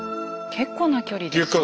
結構な距離です。